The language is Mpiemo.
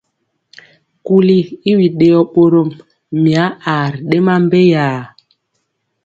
Kuli i biɗeyɔ ɓorom, mya aa ri ɗema mbeyaa.